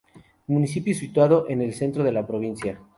Municipio situado en el centro de la provincia.